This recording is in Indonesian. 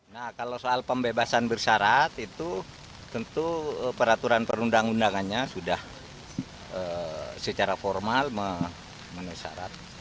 nah kalau soal pembebasan bersyarat itu tentu peraturan perundang undangannya sudah secara formal memenuhi syarat